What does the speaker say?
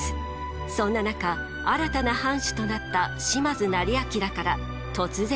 そんな中新たな藩主となった島津斉彬から突然の申し出が。